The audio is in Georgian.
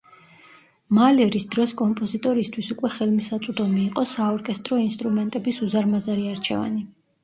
მალერის დროს კომპოზიტორისთვის უკვე ხელმისაწვდომი იყო საორკესტრო ინსტრუმენტების უზარმაზარი არჩევანი.